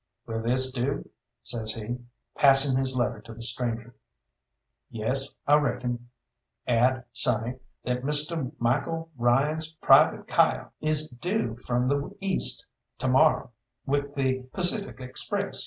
"Will this do?" says he, passing his letter to the stranger. "Yes, I reckon. Add, sonny, that Misteh Michael Ryan's private cyar is due from the east to morrow, with the Pacific Express.